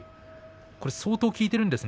相当効いているんですね